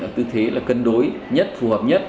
tư thế là cân đối nhất phù hợp nhất